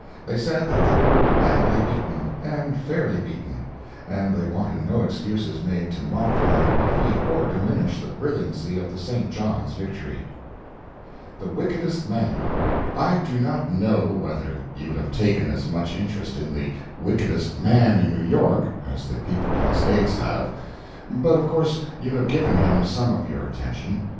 They said that they were badly beaten, and fairly beaten, and they wanted no excuses made to modify their defeat or diminish the brilliancy of the St. John's victory. The "Wickedest Man." I do not know whether you have taken as much interest in the "Wickedest Man in New York" as the people in the States have, but of course you have given him some of your attention.